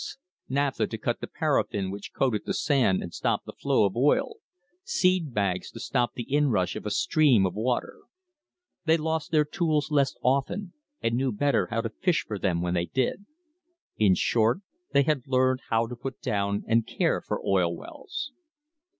THE BIRTH OF AN INDUSTRY naphtha to cut the paraffine which coated the sand and stopped the flow of oil, seed bags to stop the inrush of a stream of water. They lost their tools less often, and knew better how to fish for them when they did. In short, they had learned how to put down and care for oil wells.